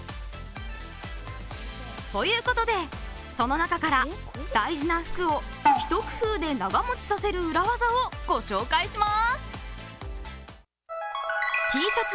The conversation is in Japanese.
ということで、その中から大事な服を一工夫で長持ちさせる裏技をご紹介します。